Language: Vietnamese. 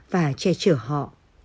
và che chở họ